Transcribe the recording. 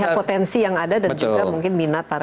dengan potensi yang ada dan juga mungkin minat para